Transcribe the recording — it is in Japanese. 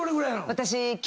私。